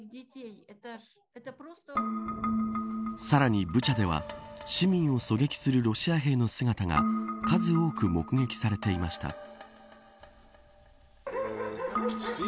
さらにブチャでは市民を狙撃するロシア兵の姿が数多く目撃されていました。